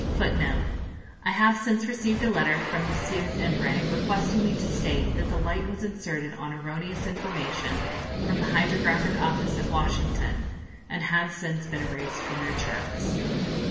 [Footnote 2: I have since received a letter from Messrs. Imray requesting me to state that the light was inserted on erroneous information from the hydrographic office at Washington, and has since been erased from their charts.